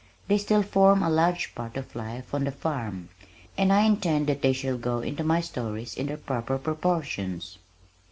They still form a large part of life on the farm, and I intend that they shall go into my stories in their proper proportions."